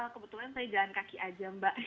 kebetulan saya jalan kaki aja mbak